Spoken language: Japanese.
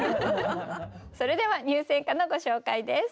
それでは入選歌のご紹介です。